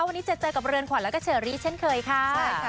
วันนี้จะเจอกับเรือนขวัญแล้วก็เชอรี่เช่นเคยค่ะ